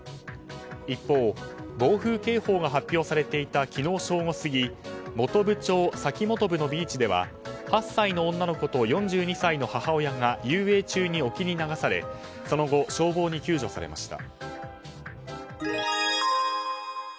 一方、暴風警報が発表されていた昨日正午過ぎ本部町崎本部のビーチでは８歳の女の子と４２歳の母親が遊泳中に沖に流され時刻は午後５時５８分になりました。